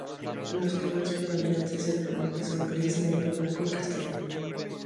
Los colores predominantes del plumaje son el gris, negro, blanco y castaño.